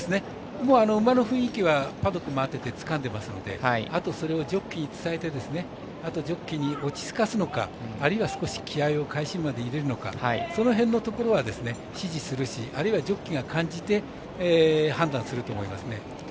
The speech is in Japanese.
馬の雰囲気はパドックを回っててつかんでますのであと、それをジョッキーに伝えてジョッキーに落ち着かせるのかあるいは気合いを返し馬で入れるのかその辺のところは指示するしあるいはジョッキーが感じて判断すると思いますね。